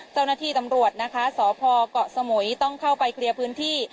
เจ้าหน้าที่ตำรวจนะคะสพเกาะสมุยต้องเข้าไปเคลียร์พื้นที่